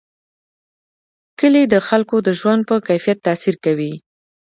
کلي د خلکو د ژوند په کیفیت تاثیر کوي.